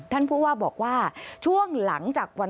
ท่านผู้ว่าบอกว่าช่วงหลังจากวัน